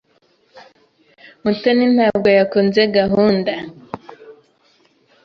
Mutoni ntabwo yakunze gahunda.